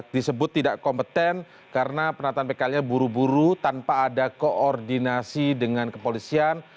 disebut tidak kompeten karena penataan pkl nya buru buru tanpa ada koordinasi dengan kepolisian